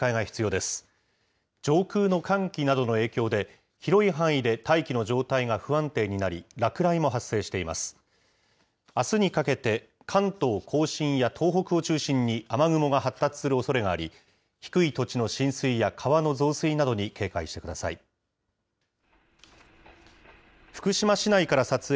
あすにかけて、関東甲信や東北を中心に雨雲が発達するおそれがあり、低い土地の浸水や川の増水などに警戒してください。